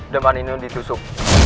dan panino ditusuk